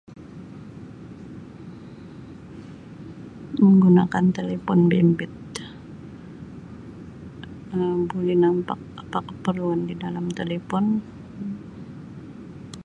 Menggunakan telefon bimbit Um buli nampak apa keperluan di dalam telefon.